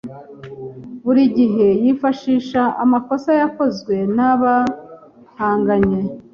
Buri gihe yifashisha amakosa yakozwe na bahanganye.